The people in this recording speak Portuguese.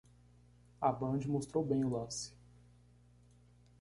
A Band mostrou bem o lance.